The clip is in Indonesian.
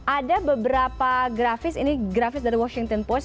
ada beberapa grafis ini grafis dari washington post